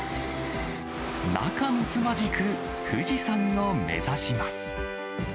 仲むつまじく、富士山を目指します。